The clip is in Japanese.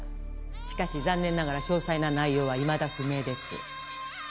しかし残念ながら詳細な内容はいまだ不明です